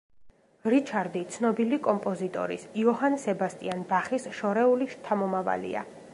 რიჩარდი ცნობილი კომპოზიტორის, იოჰან სებასტიან ბახის შორეული შთამომავალია.